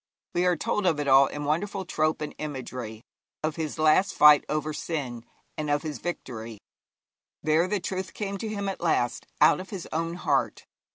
We are told of it all in wonderful trope and imagery of his last fight over sin, and of his victory. There the truth came to him at last out of his own heart.